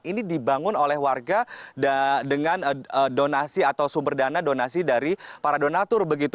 ini dibangun oleh warga dengan donasi atau sumber dana donasi dari para donatur begitu